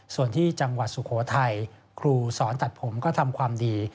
ส่วนที่จังหวัดสุโขทัยครูสอนตัดผมก็ทำความดี